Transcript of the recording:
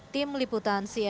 tim liputan cnn indonesia